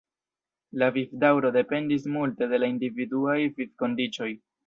La vivdaŭro dependis multe de la individuaj vivkondiĉoj.